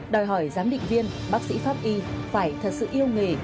đòi hỏi giám định viên bác sĩ pháp y phải thật sự yêu nghề